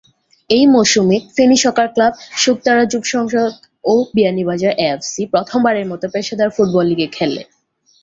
এই মৌসুমে Feni soccer club, Shuktara যুব সংসদ ও বিয়ানীবাজার এএফসি প্রথম বারের মত পেশাদার ফুটবল লীগে খেলে।